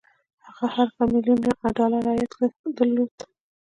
هغه هر کال ميليونونه ډالر عايد درلود.